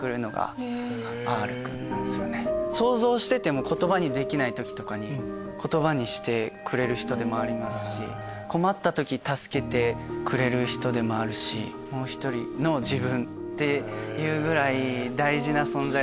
想像してても言葉にできない時とかに言葉にしてくれる人でもありますし困った時助けてくれる人でもあるしもう１人の自分っていうぐらい大事な存在で。